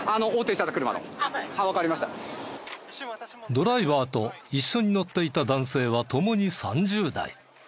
ドライバーと一緒に乗っていた男性はともに３０代。